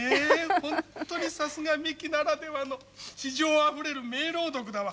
ほんとにさすがミキならではの詩情あふれる名朗読だわ。